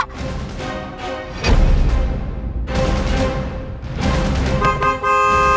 kau mau ke sana